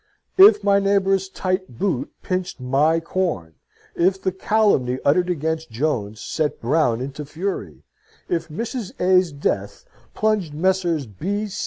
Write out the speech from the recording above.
If my neighbour's tight boot pinched my corn; if the calumny uttered against Jones set Brown into fury; if Mrs. A's death plunged Messrs.